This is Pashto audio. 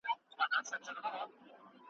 څوک به پوه سي چي له چا به ګیله من یې؟ `